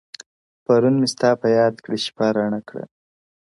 پرون مي ستا په ياد كي شپه رڼه كړه.